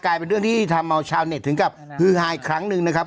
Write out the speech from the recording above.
เป็นเรื่องที่ทำเอาชาวเน็ตถึงกับฮือฮาอีกครั้งหนึ่งนะครับ